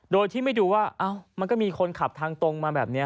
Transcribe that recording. โดยที่ไม่ดูว่ามันก็มีคนขับทางตรงมาแบบนี้